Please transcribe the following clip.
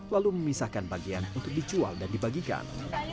lalu memisahkan bagian untuk dijual dan dibagikan